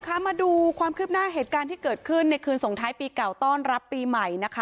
เขามาดูความคืบหน้าเหตุการณ์ที่เกิดขึ้นในคลิปก้าวต้อนรับปีใหม่